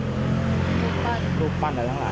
ลูปปั้นลูปปั้นหรือทั้งหลายนะครับ